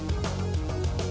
di mana dusun